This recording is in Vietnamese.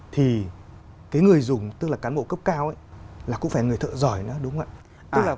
thì cái người dùng tức là cán bộ cấp cao ấy là cũng phải người thợ giỏi nữa đúng không ạ